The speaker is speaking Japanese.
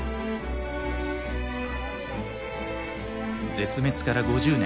絶滅から５０年。